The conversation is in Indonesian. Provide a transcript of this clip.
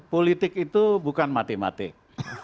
politik itu bukan matematik